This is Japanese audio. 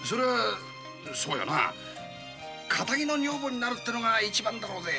そうよなカタギの女房になるってのが一番だろうぜ。